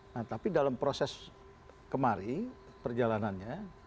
nah tapi dalam proses kemari perjalanannya